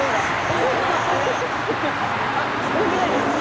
重くないですか？